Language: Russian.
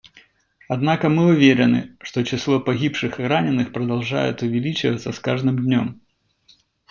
Однако мы уверены, что число погибших и раненых продолжает увеличиваться с каждым днем.